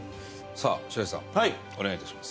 さあ白石さんお願い致します。